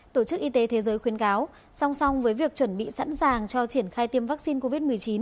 tổ chức y tế thế giới khuyến cáo song song với việc chuẩn bị sẵn sàng cho triển khai tiêm vaccine covid một mươi chín